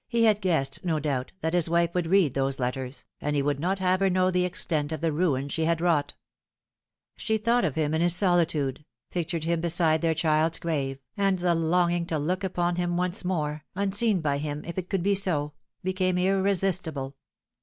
He had guessed, no doubt, that his wife would read those letters, and he would not have her know the extent of the ruin she had wrought. She thought of him in his solitude, pictured him beside their child's grave, and the longing to look upon him once more unseen by him, if it could be so became irresistible.